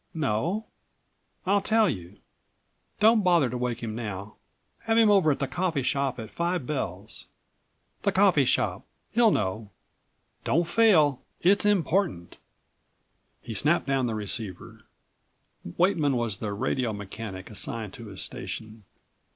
No, I'll tell you. Don't bother to wake him now—have him over at the Coffee Shop at five bells. The Coffee Shop. He'll know. Don't fail! It's important!" He snapped down the receiver. Weightman was the radio mechanic assigned to his station.